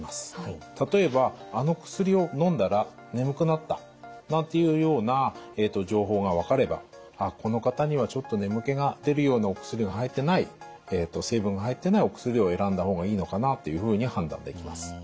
例えば「あの薬をのんだら眠くなった」なんていうような情報が分かれば「この方にはちょっと眠気が出るようなお薬が入ってない成分が入ってないお薬を選んだ方がいいのかな」というふうに判断できます。